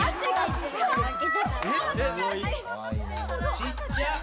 ちっちゃ！